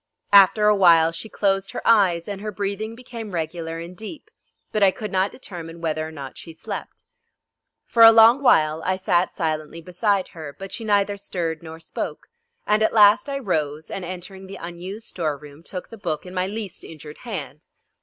After a while she closed her eyes and her breathing became regular and deep, but I could not determine whether or not she slept. For a long while I sat silently beside her, but she neither stirred nor spoke, and at last I rose, and, entering the unused store room, took the book in my least injured hand.